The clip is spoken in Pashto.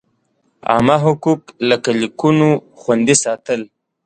عامه حقوق لکه لیکونو خوندي ساتل.